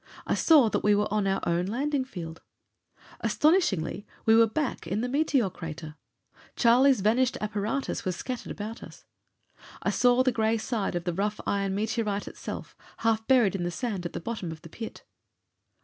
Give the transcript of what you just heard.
I saw that we were on our own landing field. Astonishingly, we were back in the meteor crater. Charlie's vanished apparatus was scattered about us. I saw the gray side of the rough iron meteorite itself, half buried in the sand at the bottom of the pit.